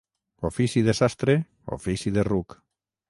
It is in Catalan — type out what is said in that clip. Ofici de sastre, ofici de ruc.